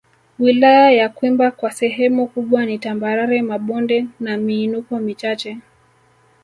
Wilaya ya Kwimba kwa sehemu kubwa ni tambarare mabonde na miinuko michache